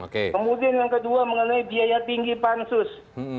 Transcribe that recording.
kemudian yang kedua mengenai biaya tinggi pansus